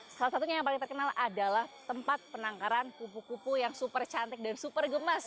salah satunya yang paling terkenal adalah tempat penangkaran kupu kupu yang super cantik dan super gemas